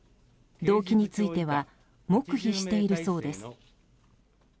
動機については黙秘しているそうです。